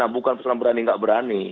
bukan persoalan berani nggak berani